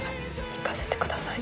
行かせて下さい。